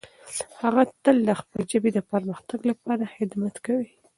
هغه تل د خپلې ژبې د پرمختګ لپاره خدمت کوي.